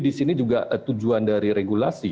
disini juga tujuan dari regulasi